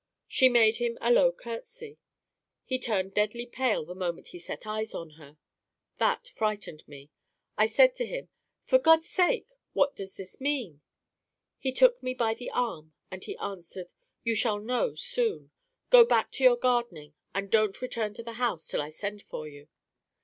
She made him a low courtesy. He turned deadly pale the moment he set eyes on her. That frightened me. I said to him, 'For God's sake, what does this mean?' He took me by the arm, and he answered: 'You shall know soon. Go back to your gardening, and don't return to the house till I send for you.'